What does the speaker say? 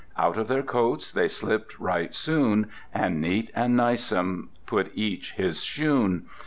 Out of their coats They slipped right soon, And neat and nicesome, Put each his shoon.